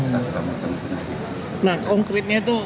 nah konkretnya itu